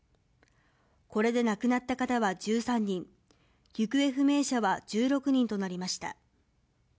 これで亡くなった方は１３人、行方不明者は１６人となりました。